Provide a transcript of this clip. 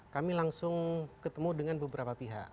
kami langsung ketemu dengan beberapa pihak